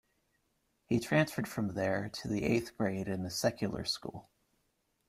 He transferred from there to the eighth grade in a secular school.